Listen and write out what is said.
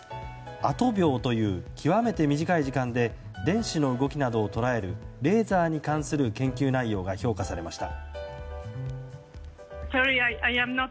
アト秒という極めて短い時間で電子の動きなどを捉えるレーザーに関する研究内容が評価されました。